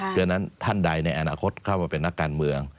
ฉะนั้นท่านใดในอนาคตเข้ามาเป็นนักการเมือง